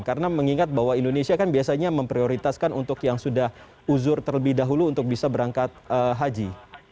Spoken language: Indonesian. karena mengingat bahwa indonesia kan biasanya memprioritaskan untuk yang sudah uzur terlebih dahulu untuk bisa berangkat haji